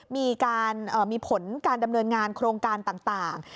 มีผลการดำเนินงานโครงการต่าง